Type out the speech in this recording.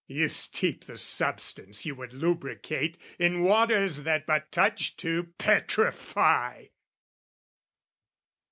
You steep the substance, you would lubricate, In waters that but touch to petrify!